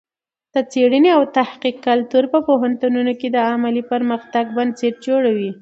د څېړنې او تحقیق کلتور په پوهنتونونو کې د علمي پرمختګ بنسټ جوړوي.